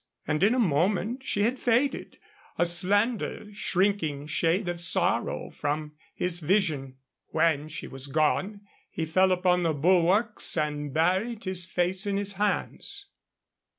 And in a moment she had faded, a slender, shrinking shade of sorrow, from his vision. When she was gone he fell upon the bulwarks and buried his face in his hands.